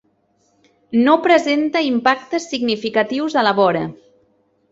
No presenta impactes significatius a la vora.